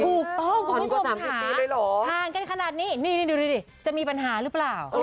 ถูกต้องคุณผู้ชมค่ะห่างกันขนาดนี้นี่ดูดิจะมีปัญหาหรือเปล่า